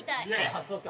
あそっか。